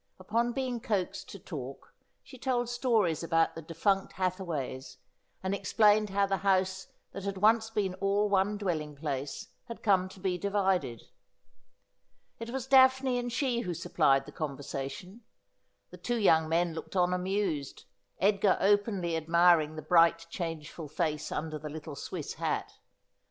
Upon being coaxed to talk she told stories about the defunct Hathaways, and explained how the house that had once been all one dwelling place had come to be divided. It was Daphne and she who supplied the conversation. The two young men looked on amused ; Edgar openly admiring the bright changeful face under the little Swiss hat.